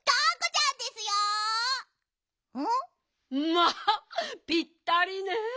まあぴったりねえ。